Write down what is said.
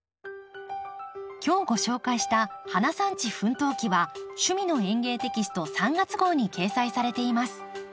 今日ご紹介した「花産地奮闘記」は「趣味の園芸」テキスト３月号に掲載されています。